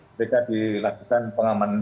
mereka dilakukan pengamanan